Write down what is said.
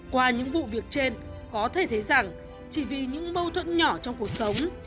qua những vụ việc trên có thể thấy rằng chỉ vì những mâu thuẫn nhỏ trong cuộc sống